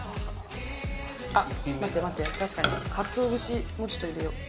あっ、待って待って、確か、かつお節、もうちょっと入れよう。